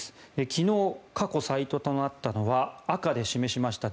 昨日、過去最多となったのは赤で示しました。